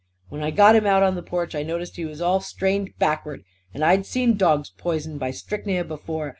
When I got him out on the porch I noticed he was all strained backward. And I'd seen dogs poisoned by strychnia before.